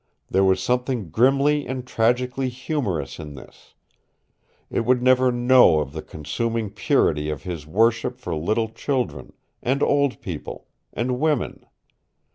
There was something grimly and tragically humorous in this. It would never know of the consuming purity of his worship for little children, and old people and women.